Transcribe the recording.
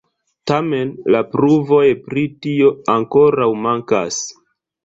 Tamen, la pruvoj pri tio ankoraŭ mankas.